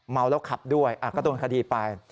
เมาแล้วขับด้วยก็โดนคดีไป